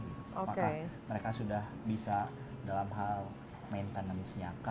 apakah mereka sudah bisa dalam hal maintenance nya